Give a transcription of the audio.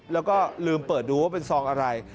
ลืมเปิดดูว่าเป็นซองอะไร